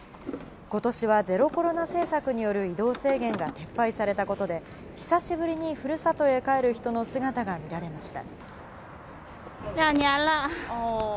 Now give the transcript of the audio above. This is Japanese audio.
ことしはゼロコロナ政策による移動制限が撤廃されたことで、久しぶりにふるさとへ帰る人の姿が見られました。